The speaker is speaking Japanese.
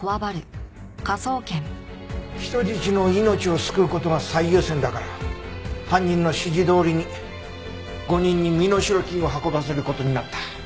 人質の命を救う事が最優先だから犯人の指示どおりに５人に身代金を運ばせる事になった。